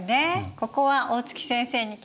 ここは大月先生に聞いてみましょう。